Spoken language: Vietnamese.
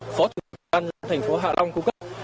phó chủ đề bàn thành phố hạ long cung cấp